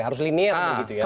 harus linear gitu ya